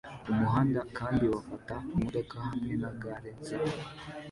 umuhanda kandi bafata imodoka hamwe na gare zabo